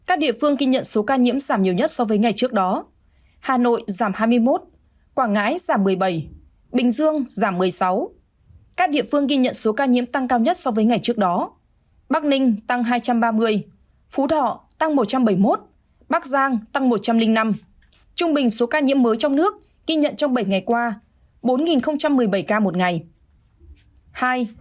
các địa phương ghi nhận số ca nhiễm giảm nhiều nhất so với ngày trước đó hà nội giảm hai mươi một quảng ngãi giảm một mươi bảy bình dương giảm một mươi sáu các địa phương ghi nhận số ca nhiễm tăng cao nhất so với ngày trước đó bắc ninh tăng hai trăm ba mươi phú thọ tăng một trăm bảy mươi một bắc giang tăng một trăm linh năm trung bình số ca nhiễm mới trong nước ghi nhận trong bảy ngày qua bốn một mươi bảy ca một ngày